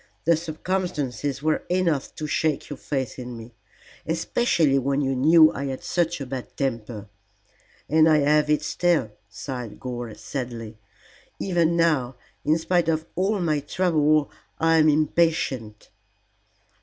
The circumstances were enough to shake your faith in me, especially when you knew I had such a bad temper. And I have it still," sighed Gore, sadly; "even now in spite of all my trouble I am impatient."